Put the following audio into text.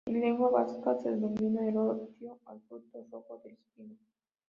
En lengua vasca se denomina "elorrio" al fruto rojo del espino.